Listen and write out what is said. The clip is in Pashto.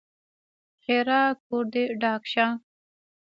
ښېرا: کور دې ډاک شه!